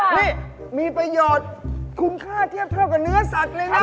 นี่มีประโยชน์คุ้มค่าเทียบเท่ากับเนื้อสัตว์เลยนะ